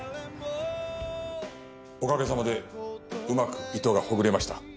おかげさまでうまく糸がほぐれました。